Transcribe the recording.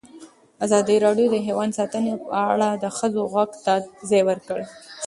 ازادي راډیو د حیوان ساتنه په اړه د ښځو غږ ته ځای ورکړی.